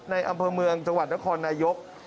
อำเภอเมืองจังหวัดนครนายก